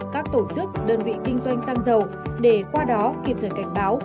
các tổ chức đơn vị kinh doanh xăng dầu để qua đó kiểm thử cảnh báo